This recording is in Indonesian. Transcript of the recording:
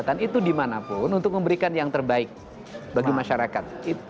memanfaatkan struktur jabatan itu dimanapun untuk memberikan yang terbaik bagi masyarakat